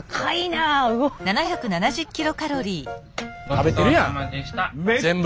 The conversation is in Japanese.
食べてるやん全部。